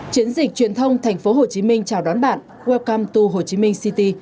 chiến dịch truyền thông tp hcm chào đón bạn welcome to hồ chí minh city